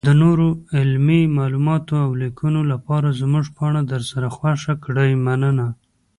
-دنورو علمي معلوماتو اولیکنو لپاره زمونږ پاڼه درسره خوښه کړئ مننه.